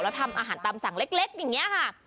แล้วทำอาหารตามสั่งเล็กอย่างนี้ค่ะ